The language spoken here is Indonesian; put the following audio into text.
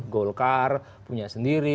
gokar punya sendiri